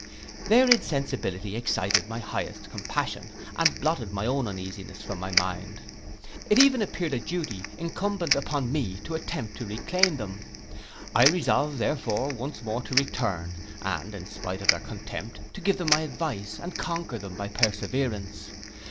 Their insensibility excited my highest compassion, and blotted my own uneasiness from my mind. It even appeared a duty incumbent upon me to attempt to reclaim them. I resolved therefore once more to return, and in spite of their contempt to give them my advice, and conquer them by perseverance.